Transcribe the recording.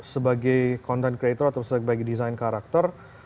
sebagai content creator atau sebagai desain karakter